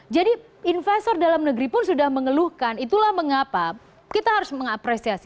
jadi investor dalam negeri pun sudah mengeluhkan itulah mengapa kita harus mengapresiasi